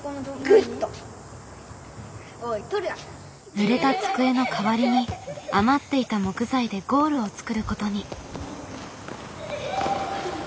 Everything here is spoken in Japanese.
ぬれた机の代わりに余っていた木材でゴールを作ることに。